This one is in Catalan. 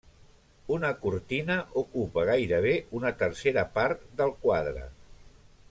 Una cortina ocupa gairebé una tercera part del quadre.